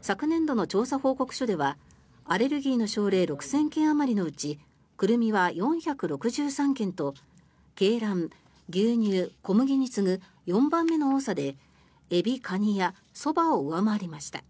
昨年度の調査報告書ではアレルギーの症例６０００件あまりのうちクルミは４６３件と鶏卵、牛乳、小麦に次ぐ４番目の多さでエビ・カニやそばを上回りました。